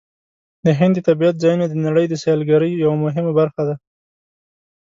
د هند د طبیعت ځایونه د نړۍ د سیلګرۍ یوه مهمه برخه ده.